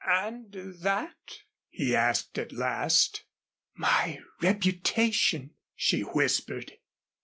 "And that?" he asked at last. "My reputation," she whispered.